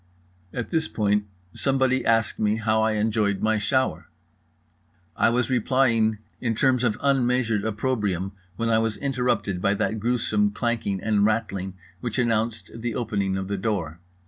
At this point somebody asked me how I had enjoyed my shower? I was replying in terms of unmeasured opprobrium when I was interrupted by that gruesome clanking and rattling which announced the opening of the door.